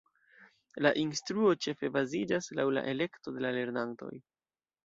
La instruo ĉefe baziĝas laŭ la elekto de la lernantoj.